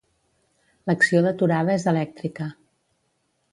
L'acció d'aturada és elèctrica.